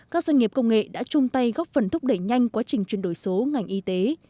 các doanh nghiệp công nghệ đã chung tay góp phần thúc đẩy nhanh quá trình chuyển đổi số ngành y tế